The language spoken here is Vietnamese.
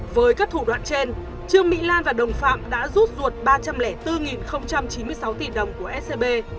với các thủ đoạn trên trương mỹ lan và đồng phạm đã rút ruột ba trăm linh bốn chín mươi sáu tỷ đồng của scb